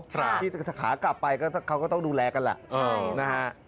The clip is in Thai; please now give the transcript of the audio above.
แต่ถ้าหากลับไปเขาก็ต้องดูแลกันแหละ